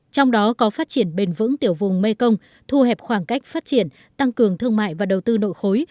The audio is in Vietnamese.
trong đó có phát triển bền vững tiểu vùng mekong thu hẹp khoảng cách phát triển tăng cường thương mại và đầu tư nội khối